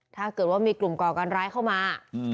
ถ้าเกิดว่ามีกลุ่มก่อการร้ายเข้ามา